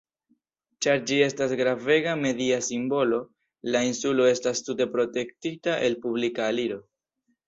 Ĉar ĝi estas gravega media simbolo, la insulo estas tute protektita el publika aliro.